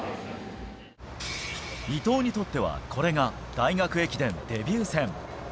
伊藤にとっては、これが大学駅伝デビュー戦。